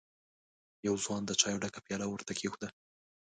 يوه ځوان د چايو ډکه پياله ور ته کېښوده.